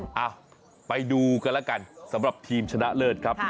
ไปทรีย์ดูกันล่ะกันสำหรับทีมชนะเลิธครับ